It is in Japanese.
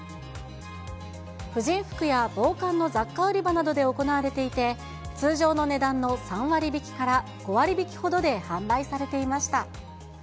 婦人服や防寒の雑貨売り場で行われていて、通常の値段の３割引きから５割引きほどで販売されていました。